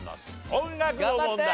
音楽の問題。